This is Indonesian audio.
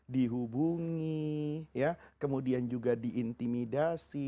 dihubungi kemudian juga diintimidasi